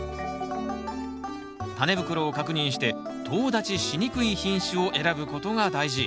タネ袋を確認してとう立ちしにくい品種を選ぶことが大事。